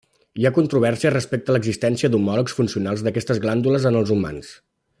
Hi ha controvèrsia respecte a l'existència d'homòlegs funcionals d'aquestes glàndules en els humans.